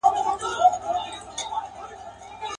ویل خلاص مي کړې له غمه انعام څه دی.